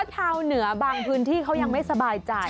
ชาวเหนือบางพื้นที่เขายังไม่สบายใจ